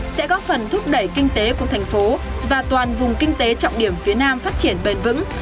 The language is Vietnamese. sẽ góp phần thúc đẩy kinh tế của thành phố và toàn vùng kinh tế trọng điểm phía nam phát triển bền vững